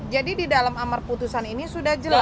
jadi di dalam amar putusan ini sudah jelas